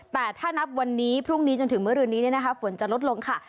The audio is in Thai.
แต่ถ้านับวันนี้พรุ่งนี้จนถึงเมื่อคืนนี้ฝนจะลดลงค่ะ